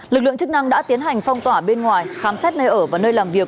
lực lượng chức năng đã tiến hành phong tỏa bên ngoài khám xét nơi ở và nơi làm việc